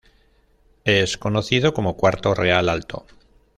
Es conocido como cuarto Real Alto.